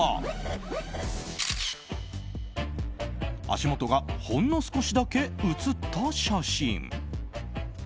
足元がほんの少しだけ写った写真。